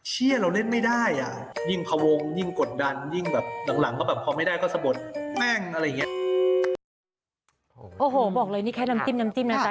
เชียนเราเล่นไม่ได้อ่ะ